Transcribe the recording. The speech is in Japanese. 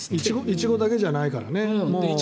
イチゴだけじゃないから。